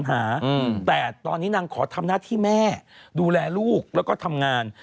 นัดที่แม่ดูแลลูกแล้วก็ทำงาน